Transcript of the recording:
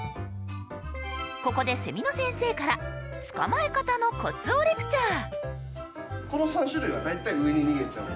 ここでセミの先生から捕まえ方のコツをレクチャー。